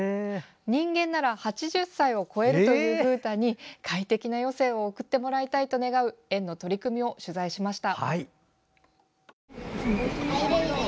人間なら８０歳を超えるという風太に快適な余生を送ってもらいたいと願う園の取り組みを取材しました。